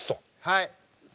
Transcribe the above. はい。